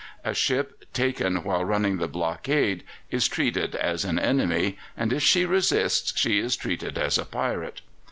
A ship taken while running the blockade is treated as an enemy, and if she resists she is treated as a pirate.